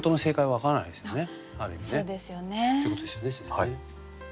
はい。